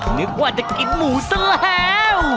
นึกว่าจะกินหมูซะแล้ว